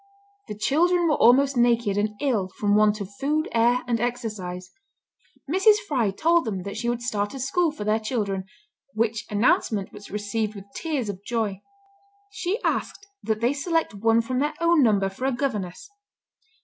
The children were almost naked, and ill from want of food, air, and exercise. Mrs. Fry told them that she would start a school for their children, which announcement was received with tears of joy. She asked that they select one from their own number for a governess.